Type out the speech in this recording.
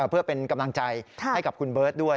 เพื่อเป็นกำลังใจให้กับคุณเบิร์ตด้วย